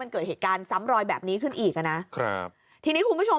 เกิดเหตุการณ์ซ้ำรอยแบบนี้ขึ้นอีกอ่ะนะครับทีนี้คุณผู้ชม